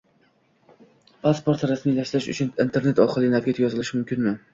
Pasport rasmiylashtirish uchun Internet orqali navbatga yozilish mumkinmi?